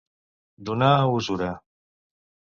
Donar a usura.